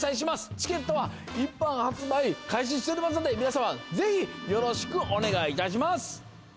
チケットは一般発売開始してますので、ぜひ皆さん、よろしくお願いします。